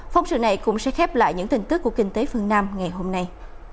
phóng sự này cũng sẽ khép lại những tin tức của kinh tế phương nam ngày hôm nay